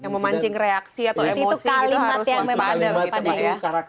yang memancing reaksi atau emosi harus memang padat